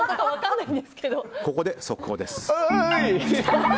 ここで速報です。